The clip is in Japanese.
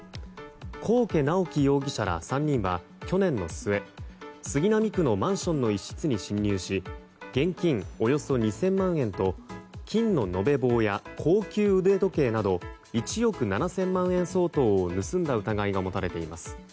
幸家直樹容疑者ら３人は去年の末杉並区のマンションの一室に侵入し現金およそ２０００万円と金の延べ棒や高級腕時計など１億７０００万円相当を盗んだ疑いが持たれています。